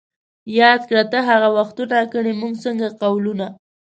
یاد کړه ته هغه وختونه ـ کړي موږ څنګه قولونه